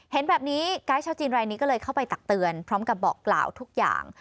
เห็นแบบนี้ไกด์ชาวจีนรายนี้ก็เลยเข้าไปตักเตือนพร้อมกับบอกกล่าวทุกอย่าง